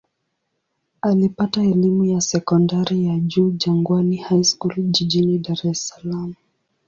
Alipata elimu ya sekondari ya juu Jangwani High School jijini Dar es Salaam.